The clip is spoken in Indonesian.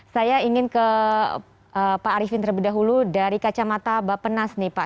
saya ingin ke pak arifin terlebih dahulu dari kacamata bapak nas nih pak